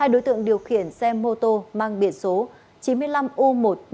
hai đối tượng điều khiển xe mô tô mang biển số chín mươi năm u một mươi ba nghìn một trăm hai mươi ba